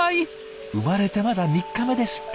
生まれてまだ３日目ですって。